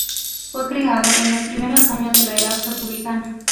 Fue creado en los primeros años de la era republicana.